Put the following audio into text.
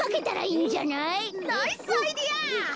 ナイスアイデア！